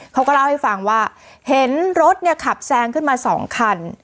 เขาก็เล่าให้ฟังว่าเห็นรถเนี่ยขับแซงขึ้นมาสองคัน